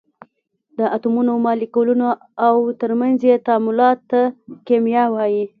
د اتومونو، مالیکولونو او تر منځ یې تعاملاتو ته کېمیا وایي.